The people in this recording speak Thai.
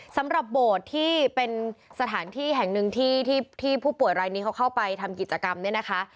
สำหรับโบสถ์ที่เป็นสถานที่แห่งหนึ่งที่ผู้ป่วยรายนี้เขาเข้าไปทำกิจกรรมเนี่ยนะคะ